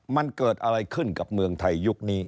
มันเกิดอะไรขึ้นกับเมืองไทยยุคนี้